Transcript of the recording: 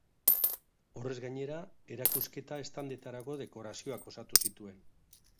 Horrez gainera, erakusketa-standetarako dekorazioak osatu zituen.